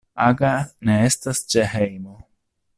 Aga ne estas ĉe hejmo.